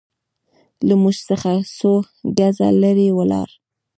له موږ څخه څو ګزه لرې ولاړ.